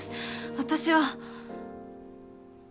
私は。